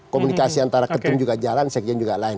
komunikasi antara ketum juga jalan sekjen juga lain